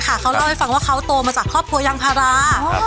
เขาเล่าให้ฟังว่าเขาโตมาจากครอบครัวยางพารา